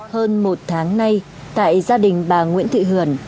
hơn một tháng nay tại gia đình bà nguyễn thị hưởng